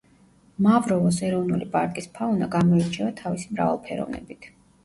მავროვოს ეროვნული პარკის ფაუნა გამოირჩევა თავისი მრავალფეროვნებით.